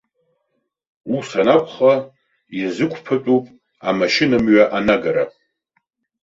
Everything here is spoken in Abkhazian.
Ус анакәха, иазықәԥатәуп амашьынамҩа анагара.